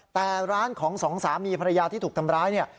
แต่ร้านของสองสามีภรรยาที่ถูกทำร้ายเนี่ย